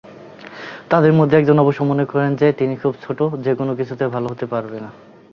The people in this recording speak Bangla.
তাদের মধ্যে একজন অবশ্য মনে করেন যে তিনি খুব ছোটো যে কোন কিছুতে ভাল হতে পারবে না।